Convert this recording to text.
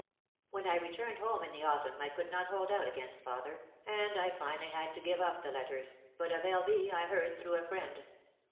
When I returned home in the autumn I could not hold out against father, and I finally had to give up the letters, but of L. V. I heard through a friend.